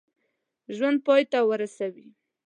ژوند پای ته ورسوي.